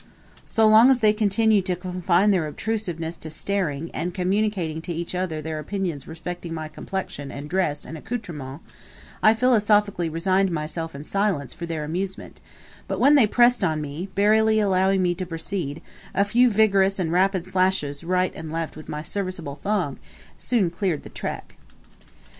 So long as they continued to confine their obtrusiveness to staring, and communicating to each other their opinions respecting my complexion, and dress, and accoutrements, I philosophically resigned myself in silence for their amusement; but when they pressed on me, barely allowing me to proceed, a few vigorous and rapid slashes right and left with my serviceable thong, soon cleared the track.